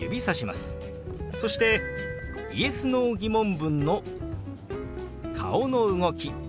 そしてＹｅｓ／Ｎｏー疑問文の顔の動き